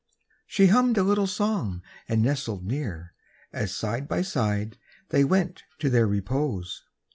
She hummed a little song and nestled near, As side by side they went to their repose.